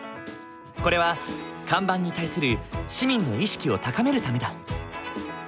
これは看板に対する市民の意識を高めるためだ。